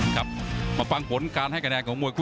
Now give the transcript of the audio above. ครับมาฟังผลการให้คะแนนของมวยคู่